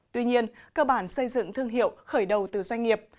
tuy nhiên cơ bản xây dựng thương hiệu khởi đầu từ doanh nghiệp